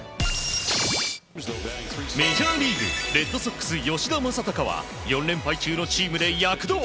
メジャーリーグレッドソックス、吉田正尚は４連敗中のチームで躍動。